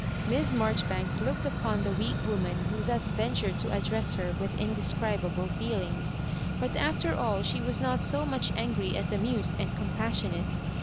Miss Marjoribanks looked upon the weak wo man who thus ventured to address her with indescribable feelings; but after all she was not 80 much angry as amused and compassionate.